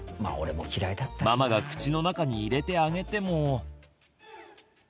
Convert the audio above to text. ママが口の中に入れてあげても。